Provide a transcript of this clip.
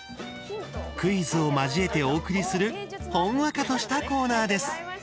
クイズを交えてお送りするほんわかとしたコーナーです。